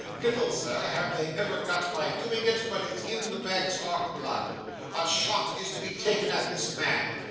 Little, Sir, have they ever got by doing it; but it's in the Bagstock blood. A shot is to be taken at this man.